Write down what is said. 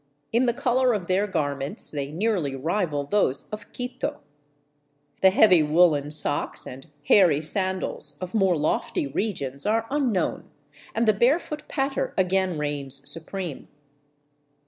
In the color of their garments they nearly rival those of Quito. The heavy woolen socks and hairy san dals of more lofty regions are unknown, and the barefoot patter again reigns supreme.